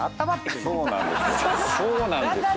そうなんですよ。